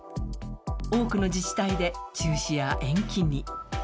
多くの自治体で中止や延期に。